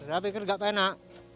saya pikir enggak enak